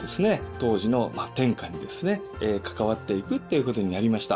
当時の天下に関わっていくっていうことになりました。